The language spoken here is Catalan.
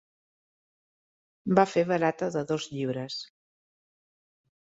Va fer barata de dos llibres.